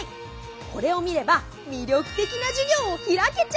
これを見れば魅力的な授業を開けちゃう！？